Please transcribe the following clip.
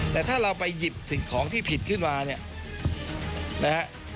แต่ถ้าเราไปหยิบสิ่งของที่ผิดขึ้นมาเนี่ยนะฮะ